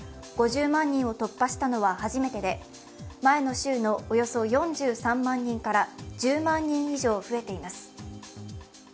５０万人を突破したのは初めてで、前の週のおよそ４３万人から１０万人以上増えています。